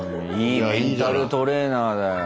いいメンタルトレーナーだよ。